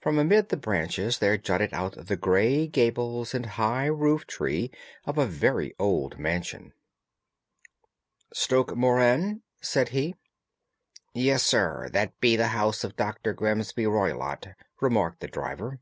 From amid the branches there jutted out the grey gables and high roof tree of a very old mansion. "Stoke Moran?" said he. "Yes, sir, that be the house of Dr. Grimesby Roylott," remarked the driver.